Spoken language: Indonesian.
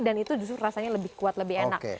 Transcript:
dan itu justru rasanya lebih kuat lebih enak